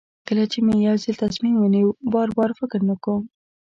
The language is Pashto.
کله چې مې یو ځل تصمیم ونیو بار بار فکر نه کوم.